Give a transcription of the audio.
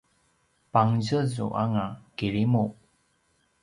pangtjezu anga kirimu